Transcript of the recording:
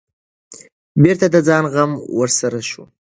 بېرته د ځان غم ورسره شو.